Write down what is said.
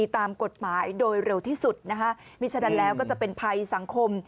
ตามกฎหมายโดยเร็วที่สุดมิชาดันแล้วจะเป็นภัยสังคม